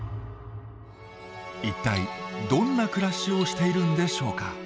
一体どんな暮らしをしているんでしょうか。